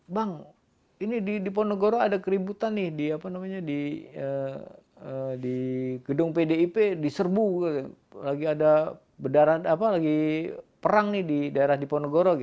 bang ini di ponegoro ada keributan nih di gedung pdip di serbu lagi ada lagi perang nih di daerah di ponegoro